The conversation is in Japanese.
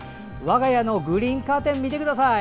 我が家のグリーンカーテン見てください。